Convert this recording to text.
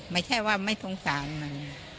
ไม่ใช่ว่าไม่สงสารมัน